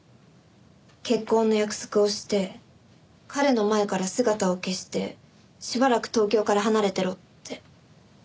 結婚の約束をして彼の前から姿を消してしばらく東京から離れてろって。